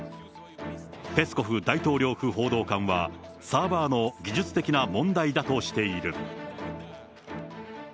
ペスコフ大統領府報道官は、サーバーの技術的な問題だとしている。